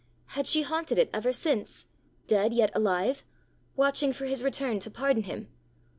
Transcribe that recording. Had she haunted it ever since, dead yet alive, watching for his return to pardon him?